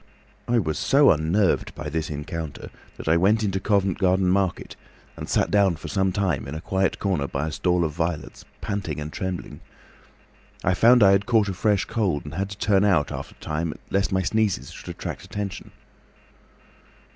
I was so unnerved by this encounter that I went into Covent Garden Market and sat down for some time in a quiet corner by a stall of violets, panting and trembling. I found I had caught a fresh cold, and had to turn out after a time lest my sneezes should attract attention.